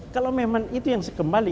kalau memang itu yang sekembali